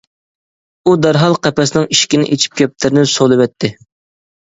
ئۇ دەرھال قەپەسنىڭ ئىشىكىنى ئېچىپ كەپتەرنى سولىۋەتتى.